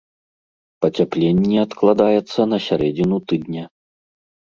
Пацяпленне адкладаецца на сярэдзіну тыдня.